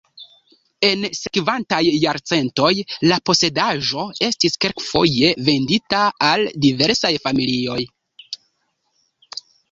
En sekvantaj jarcentoj la posedaĵo estis kelkfoje vendita al diversaj familioj.